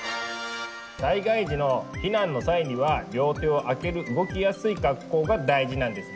災害時の避難の際には両手を空ける動きやすい格好が大事なんですね。